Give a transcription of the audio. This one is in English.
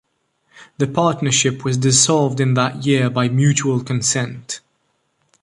The partnership was dissolved in that year by mutual consent.